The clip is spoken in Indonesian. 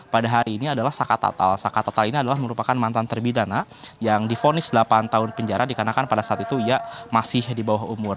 pada hari ini adalah saka saka total ini adalah merupakan mantan terpidana yang difonis delapan tahun penjara dikarenakan pada saat itu ia masih di bawah umur